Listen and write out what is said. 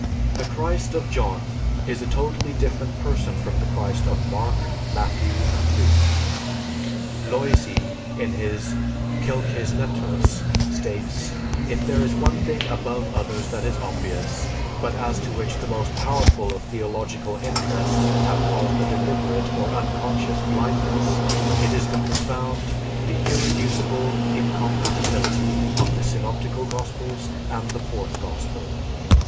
The Christ of John is a totally different person from the Christ of Mark, Matthew, and Luke. Loisy, in his "Quelques Lettres," states, "If there is one thing above others that is obvious, but as to which the most powerful of theological interests have caused a deliberate or unconscious blindness, it is the profound, the irreducible incompatibility of the Synoptical Gospels, and the Fourth Gospel.